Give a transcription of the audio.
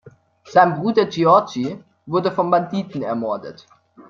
Sein Bruder Giorgi wurde von Banditen ermordet.